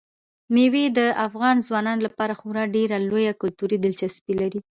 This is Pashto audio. مېوې د افغان ځوانانو لپاره خورا ډېره لویه کلتوري دلچسپي لري.